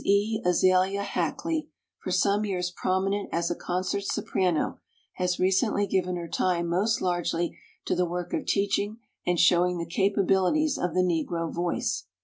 E. Azalia Hackley, for some years prominent as a concert soprano, has recently given her time most largely to the work of teaching and showing the capabilities of the Negro voice.